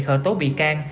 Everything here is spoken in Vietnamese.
khởi tố bị can